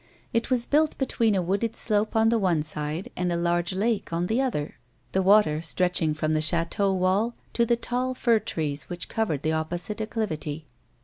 It was built between a wooded slope on the one side and a large lake on the other, the water stretching from the chateau wall to the tall fir trees which covered the opposite acclivity.